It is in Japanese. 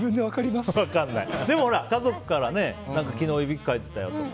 家族から昨日、いびきかいてたよとか。